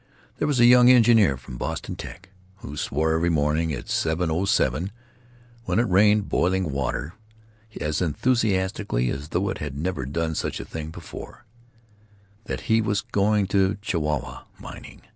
There was a young engineer from Boston Tech., who swore every morning at 7.07 (when it rained boiling water as enthusiastically as though it had never done such a thing before) that he was going to Chihuahua, mining.